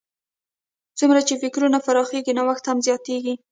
څومره چې فکرونه پراخېږي، نوښت هم زیاتیږي.